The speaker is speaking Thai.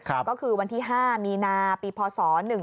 ก็คือวันที่๕มีนาปีพศ๑๕